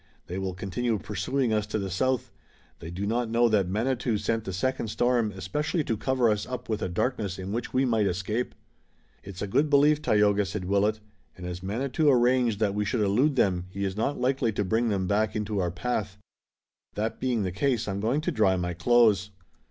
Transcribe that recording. "They will continue pursuing us to the south. They do not know that Manitou sent the second storm especially to cover us up with a darkness in which we might escape." "It's a good belief, Tayoga," said Willet, "and as Manitou arranged that we should elude them he is not likely to bring them back into our path. That being the case I'm going to dry my clothes."